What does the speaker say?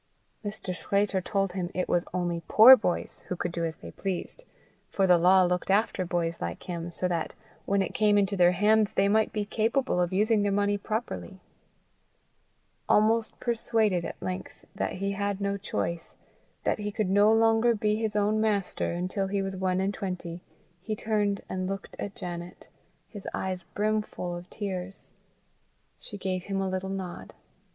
Mr. Sclater told him it was only poor boys who could do as they pleased, for the law looked after boys like him, so that, when it came into their hands, they might be capable of using their money properly. Almost persuaded at length that he had no choice, that he could no longer be his own master, until he was one and twenty, he turned and looked at Janet, his eyes brimful of tears. She gave him a little nod.